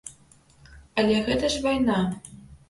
Але гэта ж вайна.